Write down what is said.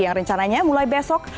yang rencananya mulai besok